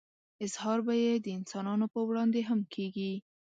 اظهار به يې د انسانانو په وړاندې هم کېږي.